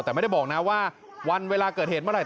แต่ไม่ได้บอกนะว่าวันเวลาเกิดเหตุเมื่อไหร